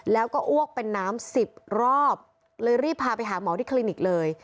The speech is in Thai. แล้วก็อ้วกเป็นน้ำสิบรอบเลยรีบพาไปหาหมอที่คลินิกเลย